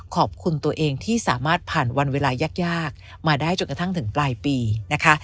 ขอบคุณตัวเองที่สามารถผ่านวันเวลายากมาได้จนกระทั่งถึงปลายปีนะคะ